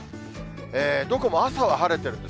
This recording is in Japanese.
どこも朝は晴れてるんです。